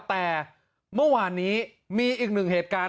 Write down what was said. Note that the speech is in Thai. แต่เมื่อวานนี้มีอีกหนึ่งเหตุการณ์